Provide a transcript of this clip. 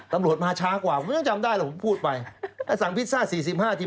ตำรวจมาช้ากว่าผมยังจำได้แล้วผมพูดไปถ้าสั่งพิซซ่าสี่สิบห้าทีม